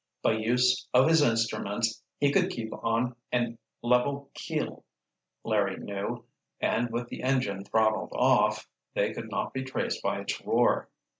By use of his instruments he could keep on a level keel, Larry knew, and with the engine throttled off, they could not be traced by its roar.